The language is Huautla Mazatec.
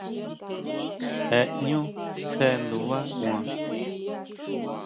Je ʼñú sjendubá kuan.